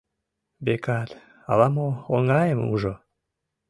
Векат, ала-мо оҥайым ужо.